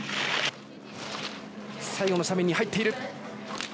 最後の斜面に入っている。